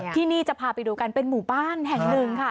ที่นี่จะพาไปดูกันเป็นหมู่บ้านแห่งหนึ่งค่ะ